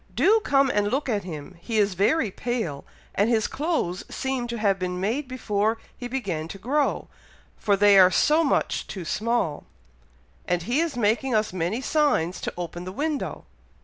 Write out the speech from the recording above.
Do come and look at him! he is very pale, and his clothes seem to have been made before he began to grow, for they are so much too small, and he is making us many signs to open the window.